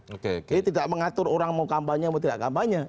jadi tidak mengatur orang mau kampanye atau tidak kampanye